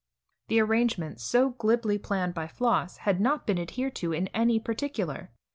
The arrangements, so glibly planned by Floss, had not been adhered to in any particular.